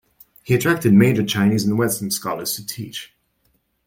He attracted major Chinese and Western scholars to teach.